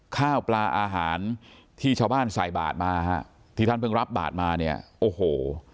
ข้าวปลาอาหารที่ชาวบ้านใส่บาทมาฮะที่ท่านเพิ่งรับบาทมาเนี่ยโอ้โห